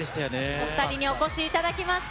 お２人にお越しいただきました。